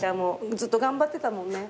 ずっと頑張ってたもんね。